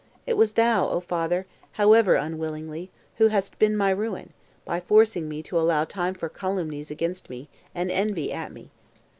It was thou, O father, however unwillingly, who hast been my ruin, by forcing me to allow time for calumnies against me, and envy at me.